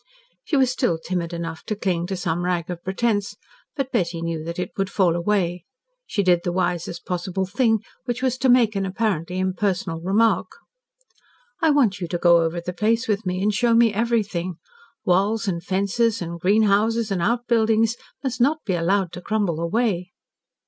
She was still timid enough to cling to some rag of pretence, but Betty knew that it would fall away. She did the wisest possible thing, which was to make an apparently impersonal remark. "I want you to go over the place with me and show me everything. Walls and fences and greenhouses and outbuildings must not be allowed to crumble away."